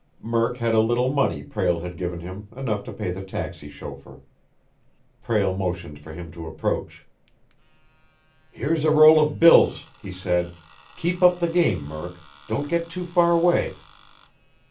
Murk had a little money Prale had given him, enough to pay the taxi chauffeur. Prale motioned for him to approach. "Here's a roll of bills," he said. "Keep up the game, Murk. Don't get too far away."